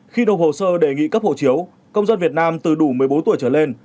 khi nộp hồ sơ đề nghị cấp hộ chiếu công dân việt nam từ đủ một mươi bốn tuổi trở lên